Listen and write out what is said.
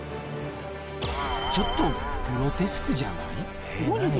ちょっとグロテスクじゃない？